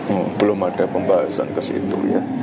oh belum ada pembahasan ke situ ya